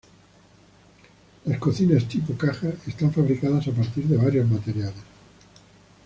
Las cocinas tipo caja, están fabricadas a partir de varios materiales.